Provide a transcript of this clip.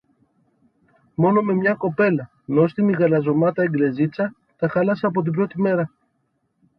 Μόνο με μια κοπέλα, νόστιμη γαλανομάτα Εγγλεζίτσα, τα χάλασα από την πρώτη μέρα